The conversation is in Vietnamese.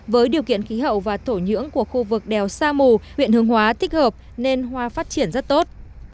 với điều kiện khí hậu và thổ nhưỡng của khu vực đèo sa mù huyện hương hóa thích hợp nên hoa phát triển rất tốt